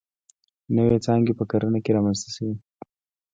نوې څانګې په کرنه کې رامنځته شوې.